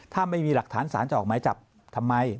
ถ้าไม่มีหลักฐานสารจะออกหมายจับทำไม